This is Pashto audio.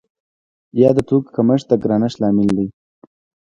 یا د توکو کمښت د ګرانښت لامل دی؟